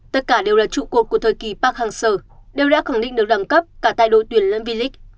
tất cả đều là trụ cột của thời kỳ park hang seo đều đã khẳng định được đẳng cấp cả tại đội tuyển lâm vy lịch